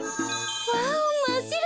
ワオまっしろ！